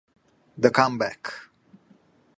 The Come Back